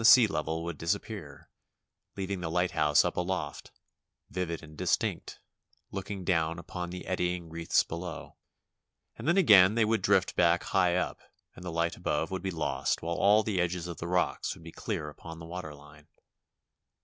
DIVERSIONS OF A CONVALESCENT 277 sea level would disappear, leaving the lighthouse up aloft, vivid and distinct, looking down upon the eddy ing wreaths below; and then again they would drift back high up and the light above would be lost while all the edges of the rocks would be clear upon the water line.